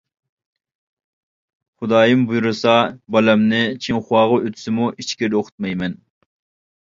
خۇدايىم بۇيرۇسا بالامنى چىڭخۇاغا ئۆتسىمۇ ئىچكىرىدە ئوقۇتمايمەن.